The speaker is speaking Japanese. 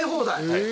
はい。